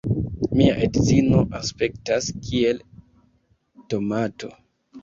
Mia edzino aspektas kiel tomato